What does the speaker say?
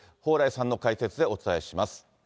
蓬莱さんの解説でお伝えします。